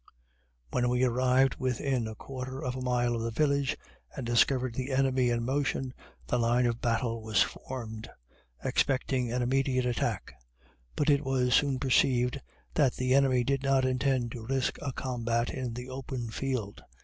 When we arrived within a quarter of a mile of the village, and discovered the enemy in motion, the line of battle was formed expecting an immediate attack but it was soon perceived the enemy did not intend to risk a combat in the open field.